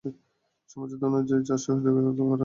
সমঝোতা অনুযায়ী চারশ ইহুদীকে কতল করা হয়।